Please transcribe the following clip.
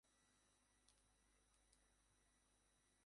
সিরিজটির dialogue, violence, cinematography ও BGM দুর্দান্ত।